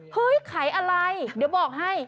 เฮ้ยขายอะไรเดี๋ยวบอกให้